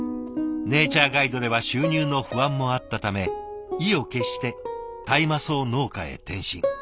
ネイチャーガイドでは収入の不安もあったため意を決して大麻草農家へ転身。